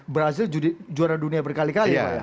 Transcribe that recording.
brazil juara dunia berkali kali ya pak ya